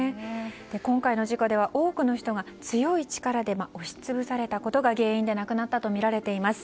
今回の事故では、多くの人が強い力で押し潰されたことが原因で亡くなったとみられています。